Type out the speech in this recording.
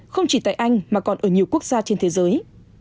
không chỉ tại anh mà còn ở nhiều quốc gia trên thế giới